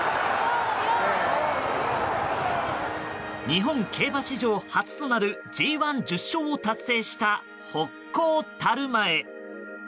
日本競馬史上初となるＧ１、１０勝を達成したホッコータルマエ。